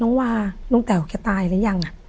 น้องว่าลุงแต่วแกตายรึยังอะ